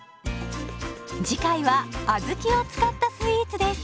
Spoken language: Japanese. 次回は小豆を使ったスイーツです。